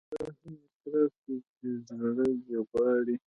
دا هم اسراف دی چې زړه دې غواړي.